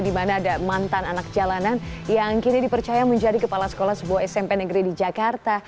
di mana ada mantan anak jalanan yang kini dipercaya menjadi kepala sekolah sebuah smp negeri di jakarta